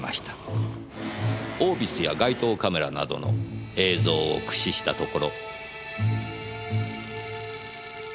オービスや街頭カメラなどの映像を駆使したところ。